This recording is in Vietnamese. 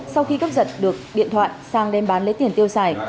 sau khi cấp giật được điện thoại sang đem bán lấy tiền tiêu xài